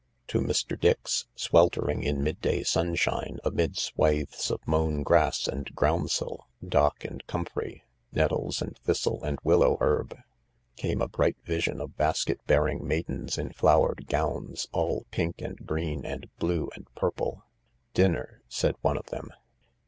To Mr. Dix, sweltering in mid day sunshine, amid swathes of mown grass and groundsel, dock and comfrey, nettles and thistle and willow herb, came a bright vision of basket bearing maidens in flowered gowns, all pink and green a blue and purple. " Dinner," said one of them.